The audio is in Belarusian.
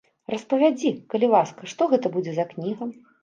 Распавядзі, калі ласка, што гэта будзе за кніга?